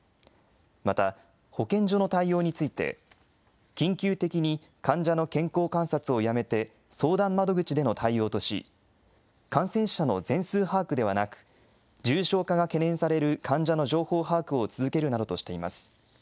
また、保健所の対応について、緊急的に患者の健康観察をやめて相談窓口での対応とし、感染者の全数把握ではなく、重症化が懸念される患者の情報把握を続けるなどとしています。